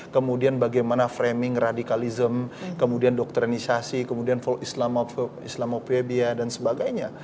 kemudian bagaimana framing radikalism kemudian doktrinisasi kemudian volk islamophobia dan sebagainya